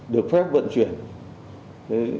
để mà vận chuyển ma túy